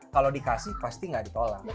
kalau dikasih pasti nggak ditolak